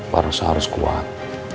barusan harus kuat